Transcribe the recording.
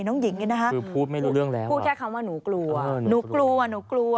น้องหญิงเนี่ยนะคะคือพูดไม่รู้เรื่องแล้วพูดแค่คำว่าหนูกลัวหนูกลัวหนูกลัว